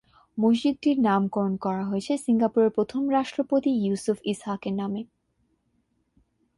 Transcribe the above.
মসজিদটির নামকরণ করা হয়েছে সিঙ্গাপুরের প্রথম রাষ্ট্রপতি ইউসুফ ইসহাক এর নামে।